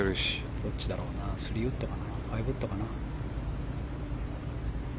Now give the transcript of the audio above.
どっちだろうな３ウッドかな、５ウッドかな。